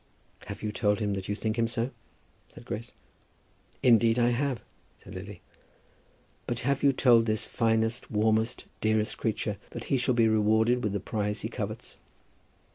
"Have you told him that you think him so?" said Grace. "Indeed, I have," said Lily. "But have you told this finest, warmest, dearest creature that he shall be rewarded with the prize he covets?"